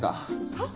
はっ？